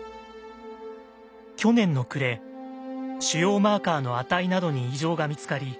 去年の暮れ腫瘍マーカーの値などに異常が見つかり